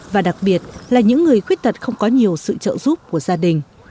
và đặc biệt là những người khuyết tật không có nhiều sự trợ giúp của gia đình